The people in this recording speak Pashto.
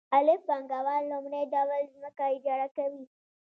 الف پانګوال لومړی ډول ځمکه اجاره کوي